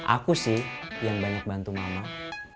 aku sih yang banyak bantu mama